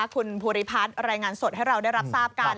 คุณภูริพัฒน์รายงานสดให้เราได้รับทราบกัน